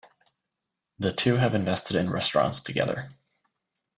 The two have invested in restaurants together.